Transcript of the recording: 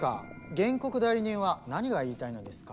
原告代理人は何が言いたいのですか？